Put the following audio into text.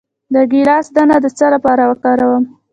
د ګیلاس دانه د څه لپاره وکاروم؟